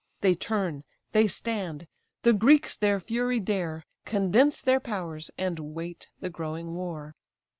They turn, they stand; the Greeks their fury dare, Condense their powers, and wait the growing war.